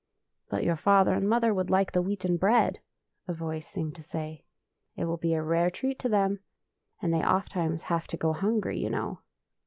" But your father and mother would like the wheaten bread," a voice seemed to say. ''It will be a rare treat to them; and they ofttimes have to go hungry, you know."